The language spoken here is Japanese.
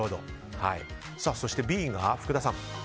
そしてＢが福田さん。